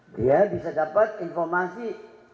dia bisa dapat informasi